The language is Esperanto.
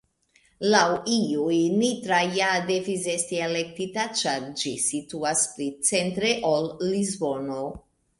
Laŭ iuj, Nitra ja devis esti elektita ĉar ĝi situas pli 'centre' ol Lisbono.